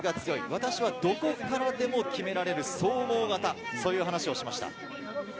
私はどこからでも決められる総合型そういう話をしていました。